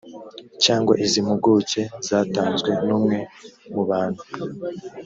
cyangwa iz impuguke zatanzwe n umwe mu bantu